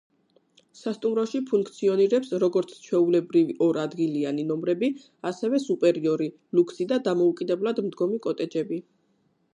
სასტუმროში ფუნქციონირებს, როგორც ჩვეულებრივი ორ ადგილიანი ნომრები, ასევე სუპერიორი, ლუქსი და დამოუკიდებლად მდგომი კოტეჯები.